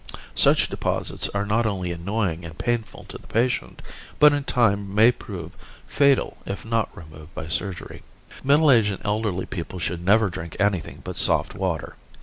Such deposits are not only annoying and painful to the patient, but in time may prove fatal if not removed by surgery. Middle aged and elderly people should never drink anything but soft water.